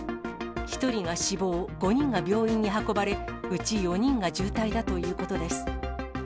１人が死亡、５人が病院に運ばれ、うち４人が重体だということです。